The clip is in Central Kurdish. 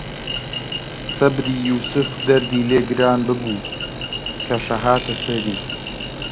سەبری یووسف دەردی لێ گران ببوو، کەشە هاتە سەری